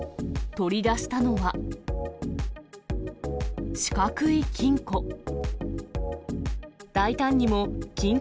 取り出したのは、四角い金庫。